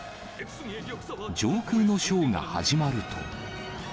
上空のショーが始まると。